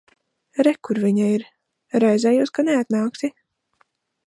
Re, kur viņa ir. Raizējos, ka neatnāksi.